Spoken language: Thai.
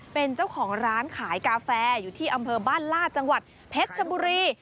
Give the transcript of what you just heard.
เป็นเจ้าของร้านขายกาแฟอยู่ที่อำเภอบ้านลาดจังหวัดเพชรชบุรี